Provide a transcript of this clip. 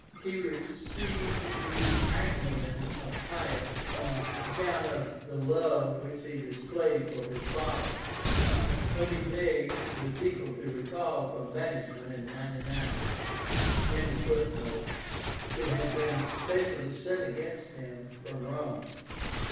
He received the agnomen of Pius on account of the love which he displayed for his father, whom he begged the people to recall from banishment in 99.) who had been specially sent against him from Rome.